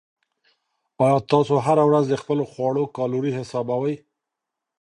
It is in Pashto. آیا تاسو هره ورځ د خپلو خواړو کالوري حسابوئ؟